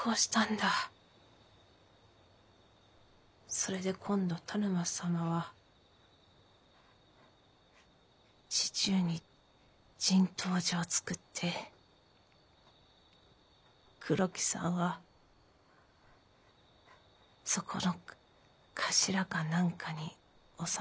それで今度田沼様は市中に人痘所を作って黒木さんはそこの頭か何かに収まった。